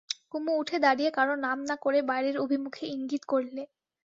কুমু উঠে দাঁড়িয়ে কারো নাম না করে বাইরের অভিমুখে ইঙ্গিত করলে।